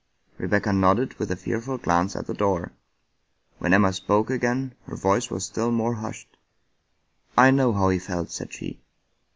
Rebecca nodded with a fearful glance at the door. When Emma spoke again her voice was still more hushed. " I know how he felt," said she.